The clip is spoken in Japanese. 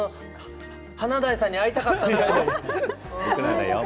華大さんに会いたかったんだよ。